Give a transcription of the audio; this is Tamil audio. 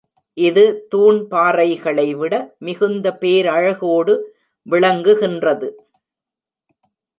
இது தூண் பாறைகளைவிட மிகுந்த பேரழகோடு விளங்குகின்றது.